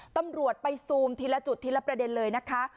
ตำรวจไปซูมทีละจุดทีละประเด็นเลยนะคะ